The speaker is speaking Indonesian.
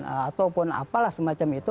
ataupun apalah semacam itu